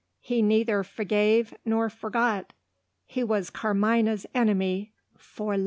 He neither forgave nor forgot he was Carmina's enemy for life.